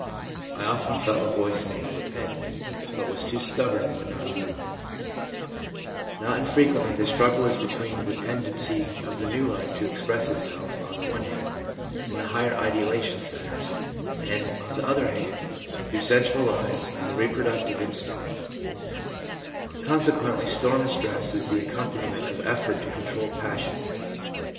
I often felt a voice saying " repent," but was too stubborn and would not yield/ Not infrequently the struggle is between the tend' 220 THE PSYCHOLOGY OF RELIGION ency of the new life to express itself, on the one hand, in higher ideational centres, and, on the other hand, to centralise in the reproductive instinct ; consequently, storm and stress is the accompaniment of effort to co7t trol passion.